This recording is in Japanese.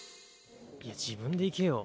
いや自分で行けよ。